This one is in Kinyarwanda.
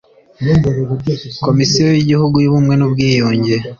Komisiyo y Igihugu y Ubumwe n Ubwiyunge